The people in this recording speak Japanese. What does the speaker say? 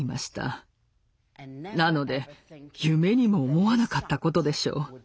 なので夢にも思わなかったことでしょう。